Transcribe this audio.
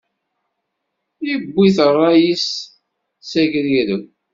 Iwwi-t ṛṛay-is s agrireb.